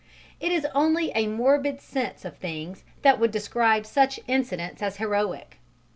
It is only a morbid sense of things that would describe such incidents as heroic.